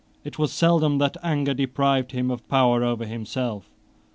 It was seldom that anger deprived him of power over himself.